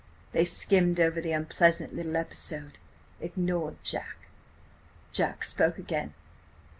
They skimmed over the unpleasant little episode–ignored Jack! "Jack spoke again.